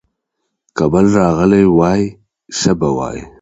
که بل راغلی وای، ښه به وای.